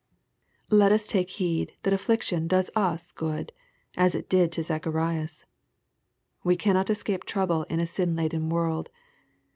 Let us take heed that affliction does us good, as it did to Zacharias. We cannot escape trouble in a sin laden world.